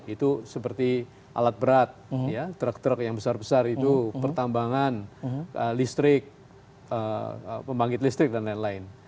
itu seperti alat berat truk truk yang besar besar itu pertambangan listrik pembangkit listrik dan lain lain